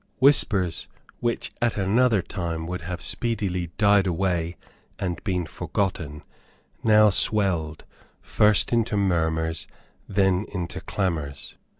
Whispers, which at another time would have speedily died away and been forgotten, now swelled, first into murmurs, and then into clamours.